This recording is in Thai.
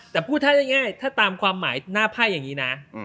แต่พูดถ้าง่ายถ้าตามความหมายหน้าไพ่อย่างนี้นะ